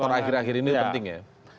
faktor akhir akhir ini penting ya